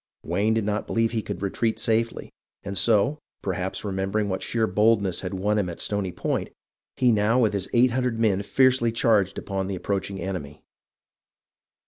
Wayne did not believe he could retreat safely, and so, perhaps remem bering what sheer boldness had won for him at Stony Point, he now with his eight hundred men fiercely charged upon the approaching enemy.